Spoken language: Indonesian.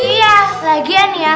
iya lagian ya